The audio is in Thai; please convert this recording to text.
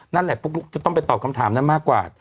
นั่นแหละปุ๊กลุ๊กจะต้องไปตอบคำถามนั้นมากกว่า